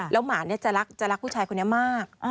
หมาจะรักผู้ชายคนนี้มาก